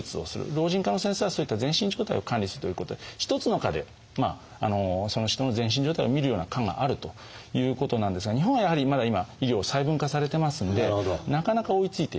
老人科の先生はそういった全身状態を管理するということで一つの科でその人の全身状態を診るような科があるということなんですが日本はやはりまだ今医療細分化されてますんでなかなか追いついていかない。